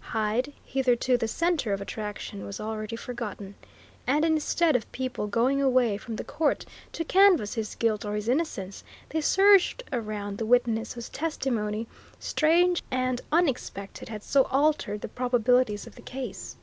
Hyde, hitherto the centre of attraction, was already forgotten, and instead of people going away from the court to canvass his guilt or his innocence, they surged round the witness whose testimony, strange and unexpected, had so altered the probabilities of the case.